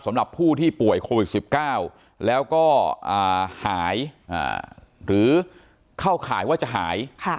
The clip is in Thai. สำหรับผู้ที่ป่วยโควิด๑๙แล้วก็หายหรือเข้าข่ายว่าจะหาย